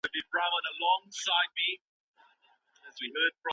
که کلتوري نندارتونونه جوړ سي، نو د هیواد هنر نه ورک کیږي.